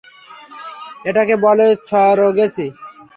এটাকে বলে সারোগেসি।